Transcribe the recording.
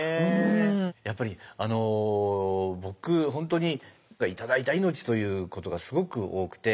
やっぱり僕本当に頂いた命ということがすごく多くて。